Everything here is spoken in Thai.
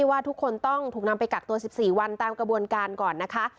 ว่าทุกคนต้องถูกนำไปกักตัว๑๔วันตามกระบวนการก่อนนะคะ